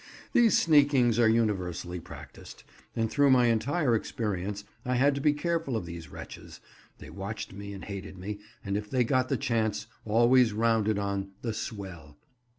These sneakings are universally practised, and through my entire experience I had to be careful of these wretches; they watched me and hated me, and if they got the chance, always rounded on "The Swell."